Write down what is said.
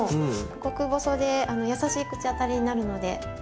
極細でやさしい口当たりになるので。